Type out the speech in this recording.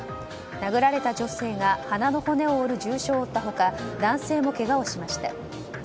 殴られた女性が鼻の骨を折る重傷を負った他男性もけがをしました。